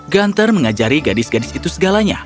gunter mengajari gadis gadis itu segalanya